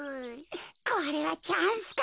これはチャンスか？